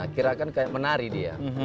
kirakan kayak menari dia